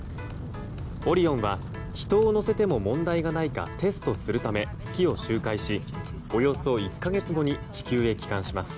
「オリオン」は人を乗せても問題ないかテストするため月を周回しおよそ１か月後に地球へ帰還します。